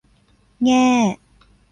แง่